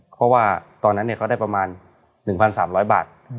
เพราะว่าตอนนั้นเขาได้ประมาณ๑๓๐๐บาท